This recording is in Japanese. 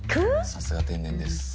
さすが天然です。へへっ。